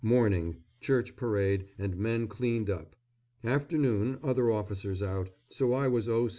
Morning, church parade and men cleaned up. Afternoon, other officers out, so I was O.